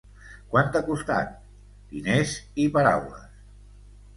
Quant t'ha costat? / —Diners i paraules!